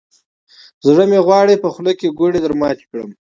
زړه مې غواړي، په خوله کې ګوړې درماتې کړم.